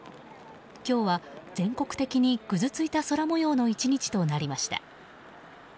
今日は全国的に、ぐずついた空模様の１日となりました。